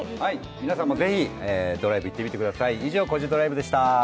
皆さんもぜひドライブ行ってみてください。